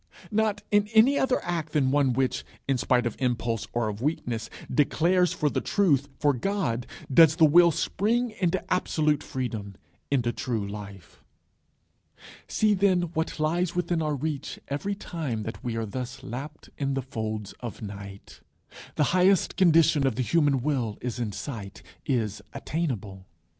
Not in any other act than one which, in spite of impulse or of weakness, declares for the Truth, for God, does the will spring into absolute freedom, into true life. See, then, what lies within our reach every time that we are thus lapt in the folds of night. The highest condition of the human will is in sight, is attainable.